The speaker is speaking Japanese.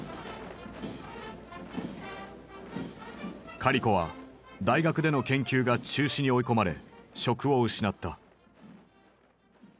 カリコは大学での研究が中止に追い込まれ職を失った。